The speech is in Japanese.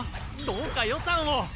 どうか予算を！